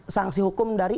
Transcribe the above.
sangsi hukum dari